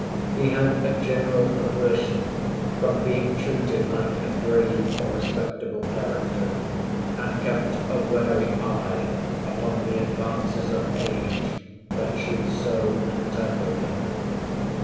He had a general aversion from being treated like a grave or respectable character, and kept a wary eye upon the advances of age that should so entitle him.